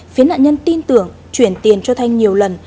phía nạn nhân tin tưởng chuyển tiền cho thanh nhiều lần